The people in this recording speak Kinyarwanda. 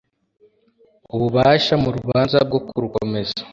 ububasha mu rubanza bwo kurukomeza